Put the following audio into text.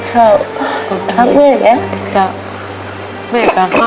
หักแม่งแม่